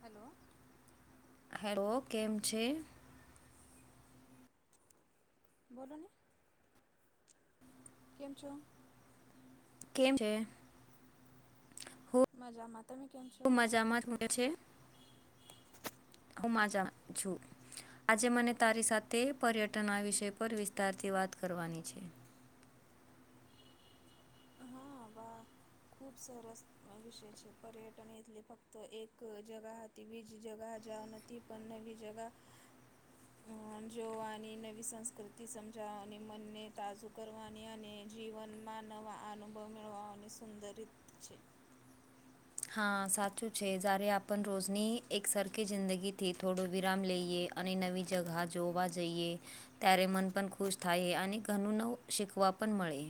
Hello. Hello, કેમ છે? બોલોને. કેમ છો? કેમ છે? મજામાં તમે કેમ છો હું મજામાં હું માજામા છું. આજે મને તારી સાથે પર્યટનના વિષય પર વિસ્તારથી વાત કરવાની છે. હ વાહ! ખૂબ સરસ વિષય છે પર્યટન એટલે ફક્ત એક જગા તેવી જગ જા નથી પણ નવી જગા હમ્મ, જોવાની નવી સંસ્કૃતિ સમજાવાની મનને તાઝુ કરવાની અને જીવનમાં નવા અનુભવ મેળવવાની સુંદર રીત છે. હા સાચું છે જ્યારે આપણ રોજની એક સરખી જિંદગીથી થોડો વિરામ લઈએ. અને નવી જગાહ જોવા જઈએ. ત્યારે મન પણ ખુશ થાય અને ઘનું નવું શીખવા પણ મળે.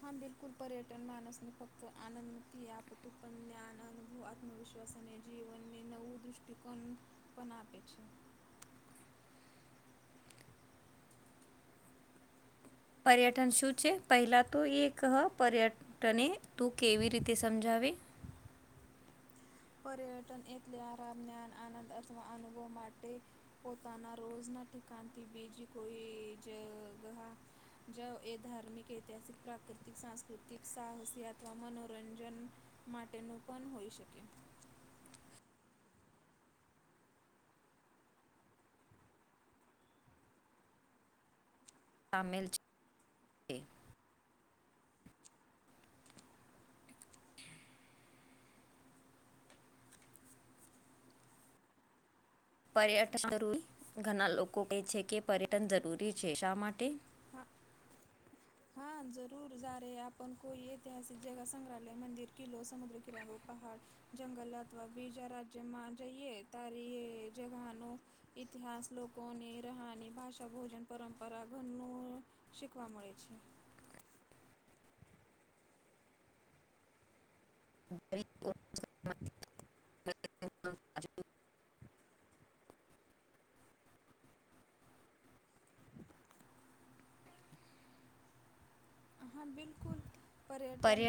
હા બિલકુલ, પર્યટન માણસને ફક્ત આનંદથી આપતું પણ જ્ઞાન, અનુભવ આત્મવિશ્વાસ અને જીવનને નવું દૃષ્ટિકોણ પન આપે છે. પર્યટન શું છે, પહેલા તો એક હ પર્યટ તને તું કેવી રીતે સમજાવે પર્યટન એટલે આરામ જ્ઞાન આનંદ અથવા અનુભવ માટે પોતાના રોજના ઠિકાણથી બીજી કોઈ જગાહ જ એ ધાર્મિક, ઐતિહાસિક, પ્રાકૃતિક, સાંસ્કૃતિક, સાહસી અથવા મનોરંજન માટેનું પન હોઈ શકે. તામેલ છે. પર્યટન જરૂરી ઘણા લોકો કહે છે કે પર્યટન જરૂરી છે શા માટે? હા જરૂર જયારે આપણ કોઈ ઐતિહાસિક જગા સંગ્રહાલય મંદિર કિલો સમુદ્ર કિલ્લો પહાડ જંગલ અથવા બીજા રાજ્યમાં જઈએ તારી જગાહનું ઇતિહાસ લોકોની રહા ની ભાષા ભોજન પરંપરા ઘર નું શીખવા મળે છે [unintelligible] [inaudible] હા બિલકુલ પર્યટન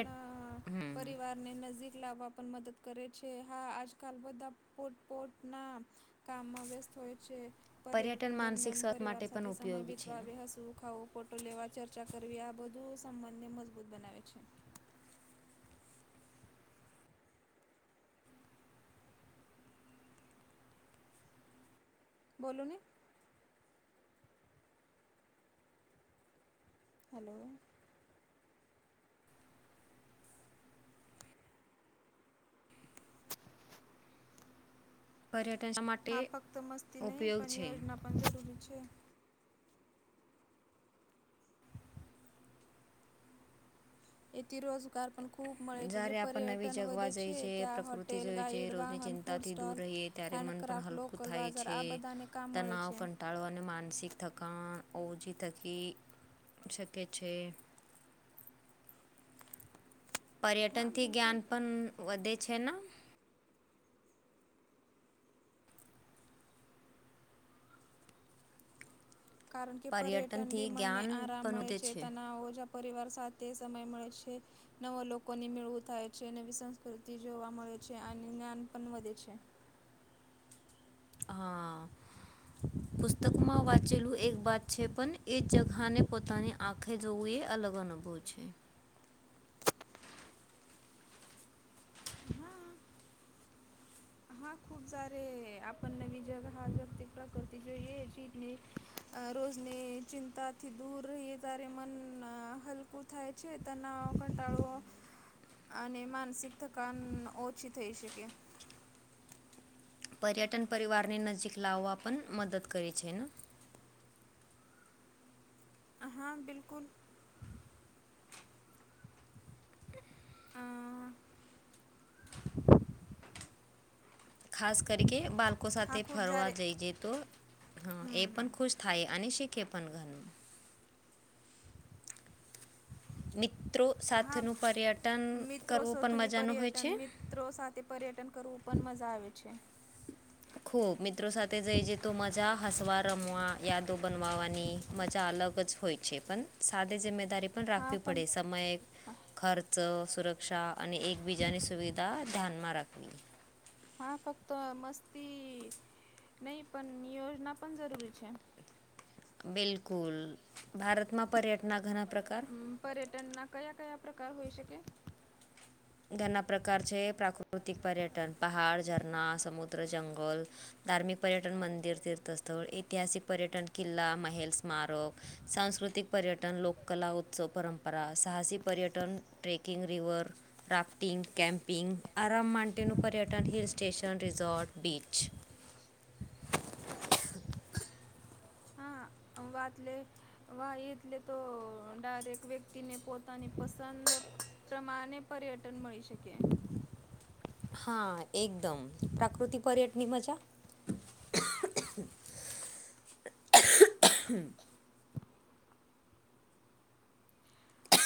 પરિવાર ને નજીક લાવવા પણ મદદ કરે છે હા આજકાલ બધા પોત પોત ના કામમાં વ્યસ્ત હોય છે. પર્યટન માનસિક દરમિયાન સ્વાસ્થ્ય પરિવાર માટે પણ સાથે સમય ઉપયોગી છે ને બીતવાવે હસવું ખાવું પ ફોટો લેવા ચર્ચા કરવી આ બધું સંબંધને મજબૂત બનાવે છે. બોલો ને હલો પર્યટન શા માટ હા ફક્ત મસ્તી નહીં પણ યોજના પણ જરૂરી છે. એથી રોજગાર પણ ખૂબ મળે છે જે જ્યારે આપણે નવી પર્યટન જગવા વધે જઈએ છે છીએ ત્યાં પ્રકૃતિ હોટેલ જોઈએ છે ગાાઈડ રોજની વાહન ફૂડ ચિંતાથી દૂર સ્ટોલ રહીએ ત્યારે મન પણ હેન્ડક્રાફ્ટ હલકું લોકલ બાજાર આ બધાને કામ મળે છે. ટાડવા અને માનસિક થકાણ ઓછી થકી શકે છે હા પર્યટનથી બિલકુલ જ્ઞાન પણ વધે છે ના કારણ કે પર્યટન પર્યટનથી બી મનને જ્ઞાન આરામ પણ મળે વધે છે તનાવો જ પરિવાર સાથે સમય મળે છે. નવા લોકોની મેળવું થાય છે નવી સંસ્કૃતિ જોવા મળે છે અને જ્ઞાન પણ વધે છે. હા પુસ્તકમાં વાંચેલું એક વાત છે. પણ એ જગાહ ને પોતાની આંખે જોવું એ અલગ અનુભવ છે. હા હા ખુબ જયારે આ પણ નવી જગા હા જગતિ પ્રકૃતિ જોઈ ચીતની રોજની ચિંતા થી દૂર રહીએ તારે મન હલકું થાય છે તનાવ કાંટાળો અને માનસિક થકાન ઓછી થઈ શકે પર્યટન પરિવારની નજીક લાવવા પણ મદદ કરે છે ને હા બિલકુલ અ ખાસ કરી કે બાળકો સાથે હા ખૂબ ફરવા જ્યારે જઈ જઈ તો હા એ હમ પણ હમ ખુશ થાય અને શીખે પણ ઘણું મિત્રો હા સાથેનું પર્યટન કરવું પણ મજાનું હોય છે ત્રો સાથે પર્યટન કરવું પણ મજા આવે છે ખૂ મિત ત્રો સાથે જઈ જે તો મજા હસવા રમવા યાદો બનવાવાની મજા અલગ જ હોય છે પણ સાદે જિમ્મેદારી પણ હા રાખવી પડે પણ સમયે પડે ખર ચો ખર્ચ સુરક્ષા અને સુરક્ષા એકબીજાની સુવિધા ધ્યાનમાં રાખવી હા ફક્ત મસ્તી નઈ પણ યોજના પણ જરૂરી છે બિલકુલ ભારતમાં પર્યટના ઘણા પ્રકાર પર્યટનના કયા કયા પ્રકાર હોઈ શકે ઘરના પ્રકાર છે પ્રાકૃતિક પર્યટન પહાડ ઝરણા સમુદ્ર જંગલ ધાર્મિક પર્યટન મંદિર તીર્થસ્થળ ઐતિહાસિક પર્યટન કિલ્લા મહેલ સ્મારક સાંસ્કૃતિક પર્યટન લોક કલા ઉત્સવ પરંપરા સાહસિક પર્યટન ટ્રેકિંગ રીવર રાફ્ટિંગ, કમપિંગ, આરામ માન્ટેનું પર્યટન હિલ સ્ટેશન, રિઝોર્ટ, બીચ. હા અવાત લે વાહ એટલે તો ડાયરેક વ્યક્તિને પોતાની પસંદ ચમાણે પર્યટન મળી શકે. હા એકદમ, પ્રાકૃતિક પ્યટની મજા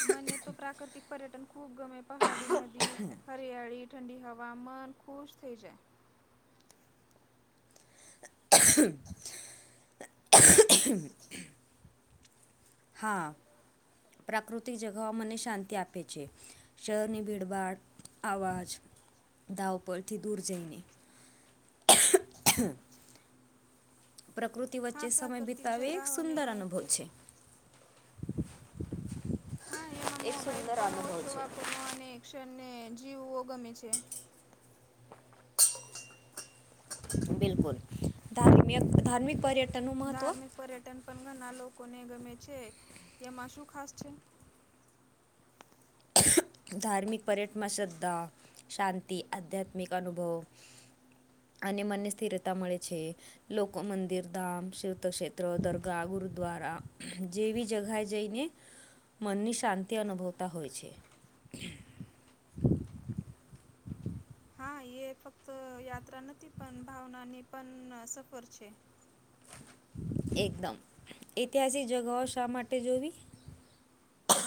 મને તો પ્રાકૃતિક પર્યટન ખૂબ ગમે પહાડી, નદી, હટ દરિયાળી, ઠંડી હવા, મન ખુશ થઈ જાય. [inaudible] હા, પ્રાકૃતિક જગાઓ મને શાંતિ આપે છે. શહેરની ભીડભાડ, અવાજ, ધાવ પરથી દૂર જઈને. [inaudible] પ્રકૃતિ વચ્ચે હા સમય પ્રાકૃતિક બિતાવે એક જગાઓને સુંદર અનુભવ છે. હા, એમાં એક મોબાઈલ સુંદર પણ અનુભવ ઓછો છે વાપરનો, અને એષણ ને જીવઓ ગમે છે. બિલકુલ ધાર્મિયક ધાર્મિક પર્યટ ધાર્મિક પર્યટન પણ ઘણા લોકોને ગમે છે, એમાં શું ખાસ છે? ધાર્મિક પર્યટમાં શ્રદ્ધા, શાંતિ, આધ્યાત્મિક અનુભવ અને મનને સ્થિરતા મળે છે. લોક મંદિર, ધામ, તીર્થક્ષેત્ર, દરગાહ, ગુરુદ્વારા. જેવી જગાએ જઈને, મનની શાંતિ અનુભવતા હોય છે. [inaudible] હા યે ફક્ત યાત્રા નથી, પણ ભાવનાની પણ સફર છે. એકદમ, ઐતિહાસિક જગાઓ શા માટે જોવી?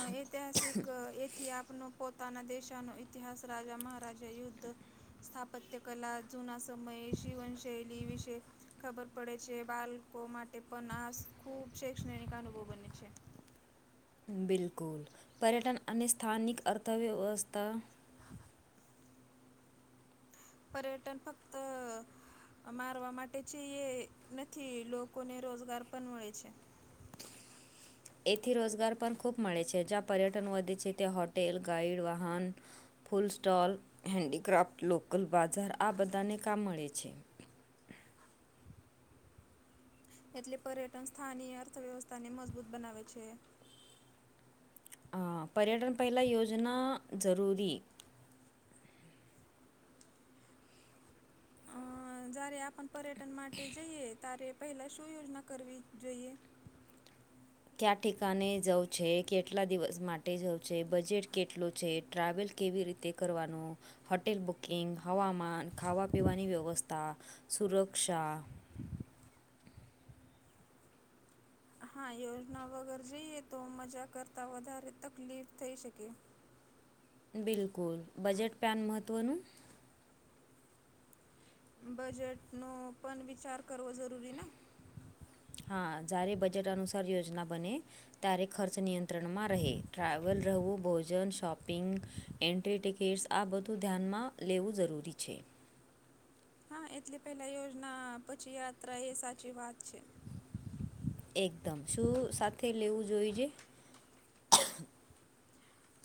અ ઐતિહાસિક ઐતિહાપ પન પોતાના દેશાનો ઇતિહાસ રાજા, મહારાજા, યુદ્ધ. સ્થાપત્ય કલા, જુના સમયે જીવનશૈલી વિશે. ખબર પડે છે, બાલકો માટે પણ આસ ખૂબ શૈક્ષણિક અનુભવ બને છે. બિલકુલ, પર્યટન અને સ્થાનિક અર્થવ્યવસ્થા પર્યટન ફક્ત અ મારવા માટે છેએ નથી, લોકોને રોજગાર પણ મળે છે. એથી રોજગાર પણ ખુબ મળે છે, જ્યાં પર્યટન વધે છે ત્યાં હોટેલ, ગાઈડ, વાહન. ફૂલ સ્ટોલ, હેન્ડીક્રાફ્ટ, લોકલ બાજાર આ બધાને કામ મળે છે. એટલે પર્યટન સ્થાનીય અર્થવ્યવસ્થાને મજબૂત બનાવે છે. અ પર્યટન પહેલાં યોજના જરૂરી. અ જ્યારે આપણ પર્યટન માટે જઈએ, ત્યારે પહેલા શું યોજના કરવી જોઈએ? કયા ઠિકાને જઉં છે? કેટલા દિવસ માટે જઉં છે? બજેટ કેટલું છે? ટ્રાવેલ કેવી રીતે કરવાનું, હોટેલ બુકિંગ, હવામાન, ખાવા પીવાની વ્યવસ્થા. સુરક્ષા હા યોજના વગર જઈએ તો, મજા કરતાં વધારે તકલીફ થઈ શકે. બિલકુલ, બજટ પ્લાન મહત્ત્વનું બજેટનો પણ વિચાર કરવો જરૂરી ના. હા જ્યારે બજટ અનુસાર યોજના બને ત્યારે ખર્ચ નિયંત્રણમાં રહે, ટ્રાવેલ, રહેવું, ભોજન, શોપિંગ. એન્ટ્રી ટિકિટ્સ આ બધું ધ્યાનમાં લેવું જરૂરી છે. હા એટલે પેલા યોજના, પછી યાત્રા એ સાચી વાત છે. એકદમ, શું સાથે લેવું જોઈજે?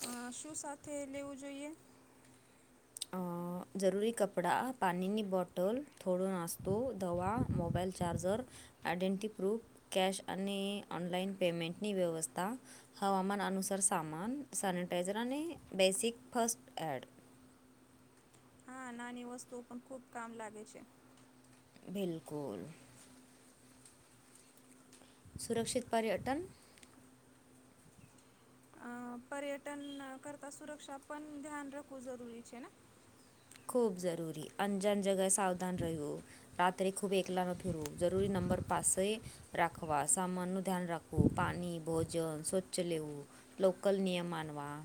હા, શું સાથે લેવું જોઈએ? અ [inaudible] જરૂરી કપડા પાણીની બોટલ થોડો નાસ્તો દવા mobile charger identity proof, cash અને ઓનલાઈન પેમેન્ટની વ્યવસ્થા. હવામાન અનુસાર સામાન, સેનિટાઈઝર, અને બેસિક ફસ્ટ એડ. હા નાની વસ્તુઓ પણ ખુબ કામ લાગે છે. બિલકુલ સુરક્ષિત પર્યટન. અ પર્યટન કરતાં સુરક્ષા પણ ધ્યાન રાખવું જરૂરી છે ના. ખૂબ જરૂરી અનજાન જગ્યાએ સાવધાન રહેવું. રાત્રે ખૂબ એકલા ન ફરવું જરૂરી નંબર પાસે રાખવા સામાન નુ ધ્યાન રાખવું પાણી ભોજન સ્વચ્છ લેવું. લોકલ નિયમ માનવા